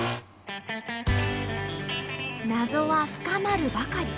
謎は深まるばかり。